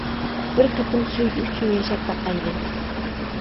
بىر قېتىم سۆيگۈ ئۈچۈن ياشاپ باقايلى.